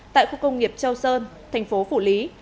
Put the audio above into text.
tại khu công nghiệp châu sơn thành phố phủ lý